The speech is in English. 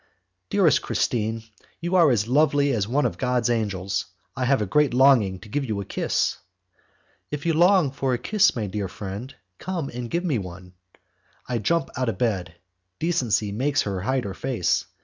"Dearest Christine, you are as lovely as one of God's angels. I have a great longing to give you a kiss." "If you long for a kiss, my dear friend, come and give me one." I jump out of my bed, decency makes her hide her face.